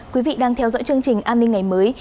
quý vị đang theo dõi chương trình an ninh ngày mới